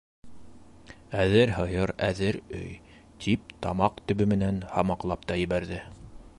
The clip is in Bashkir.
Әҙер һыйыр, әҙер өй, - тип тамаҡ төбө менән һамаҡлап та ебәрҙе.